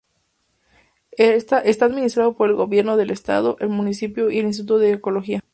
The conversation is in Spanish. Está administrado por el Gobierno del Estado, el municipio y el Instituto de Ecología.